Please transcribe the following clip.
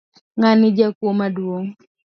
Ngani jakuo maduong.